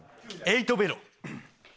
エイトベロ。